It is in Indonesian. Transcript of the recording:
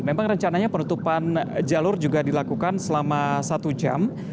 memang rencananya penutupan jalur juga dilakukan selama satu jam